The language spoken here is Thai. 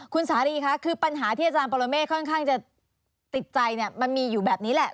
คุณสารีคะคือปัญหาที่อาจารย์ปรเมฆค่อนข้างจะติดใจเนี่ยมันมีอยู่แบบนี้แหละ